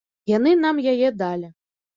Яны нам яе далі.